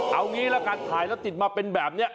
เอางี้ละกันถ่ายแล้วติดมาเป็นแบบนี้